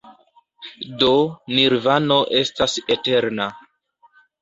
Do Nirvano estas eterna.